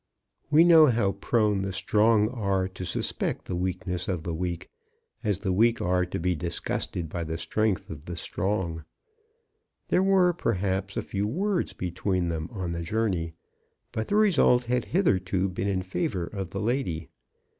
We know how prone the strong are to suspect the weakness of the weak — as the weak are to be disgusted by the strength of the strong. There were, perhaps, a few words between them on the journey, but the result had hitherto been in favor of the lady.